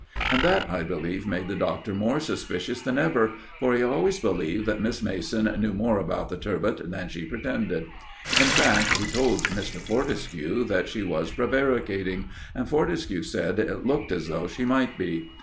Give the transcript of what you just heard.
And that, I believe, made the Doctor more suspicious than ever, for he always believed that Miss Mason knew more about the "Turbot" than she pretended. In fact, he told Mr. Fortescue that she was prevaricating, and Fortescue said it looked as though she might be.